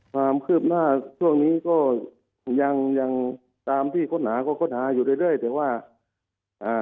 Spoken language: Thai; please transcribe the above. ความคืบหน้าช่วงนี้ก็ยังยังตามที่ค้นหาก็ค้นหาอยู่เรื่อยเรื่อยแต่ว่าอ่า